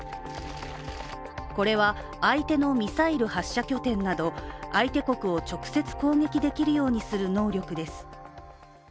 これは相手のミサイル発射拠点など相手国を直接攻撃できるようにする能力です。